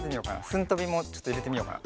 「スンとび」もちょっといれてみようかな。